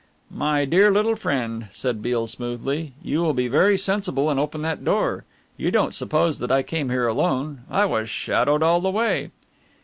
"My dear little friend," said Beale smoothly, "you will be very sensible and open that door. You don't suppose that I came here alone. I was shadowed all the way."